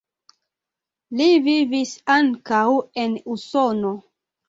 Li vivis ankaŭ en Usono.